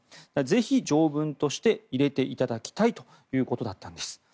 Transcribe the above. ぜひ条文として入れていただきたいということだったんです。